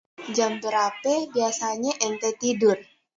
Jam bérapé biasanyé enté tidur?